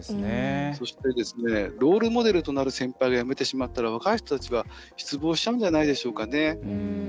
そして、ロールモデルとなる先輩が辞めてしまったら若い人たちは失望しちゃうんじゃないでしょうかね。